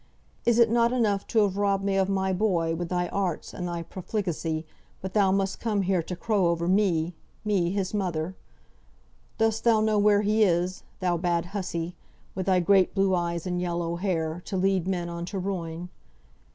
Is it not enough to have robbed me of my boy with thy arts and thy profligacy, but thou must come here to crow over me me his mother? Dost thou know where he is, thou bad hussy, with thy great blue eyes and yellow hair, to lead men on to ruin?